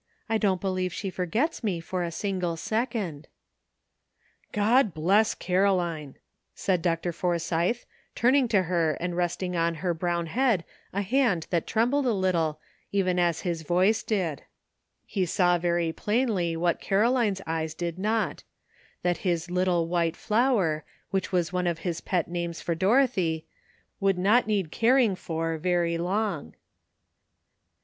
I don't believe she forgets me for a single second." "God bless Caroline," said Dr. Forsythe, turning to her and resting on her brown head a hand that trembled a little even as his voice did ; he saw very plainly what Caroline's eyes did not : that his Little White Flower, which was one of his pet names for Dorothy, would not need caring for very long.